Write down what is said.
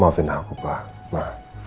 maafin aku pak ma